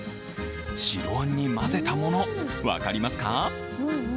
白あんに混ぜたもの、分かりますか？